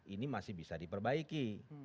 ini masih bisa diperbaiki